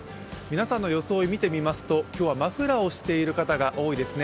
皆さんの服装を見てみると今日はマフラーをしている方が多いですね。